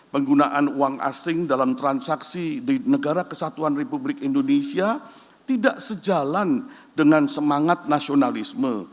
penggunaan uang asing dalam transaksi di negara kesatuan republik indonesia tidak sejalan dengan semangat nasionalisme